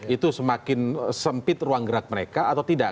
itu semakin sempit ruang gerak mereka atau tidak